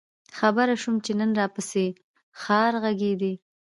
خبـــــر شومه چې نن راپســـې ښار غـــــږېده؟